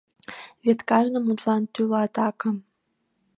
вет кажне мутлан тӱлат акым